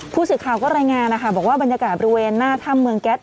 ผู้สื่อข่าวก็รายงานนะคะบอกว่าบรรยากาศบริเวณหน้าถ้ำเมืองแก๊ส